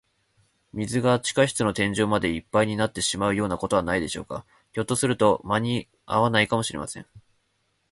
水が地下室の天井までいっぱいになってしまうようなことはないでしょうか。ひょっとすると、まにあわないかもしれません。